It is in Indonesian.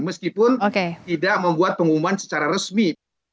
meskipun tidak membuat pengumuman secara resmi